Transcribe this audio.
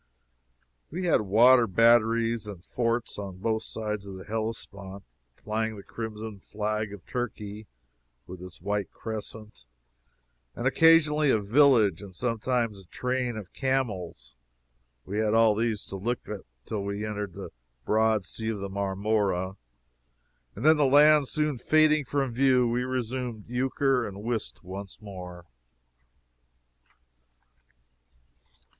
We had water batteries and forts on both sides of the Hellespont, flying the crimson flag of Turkey, with its white crescent, and occasionally a village, and sometimes a train of camels; we had all these to look at till we entered the broad sea of Marmora, and then the land soon fading from view, we resumed euchre and whist once more.